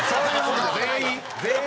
全員？